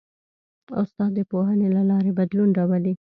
استاد د پوهنې له لارې بدلون راولي.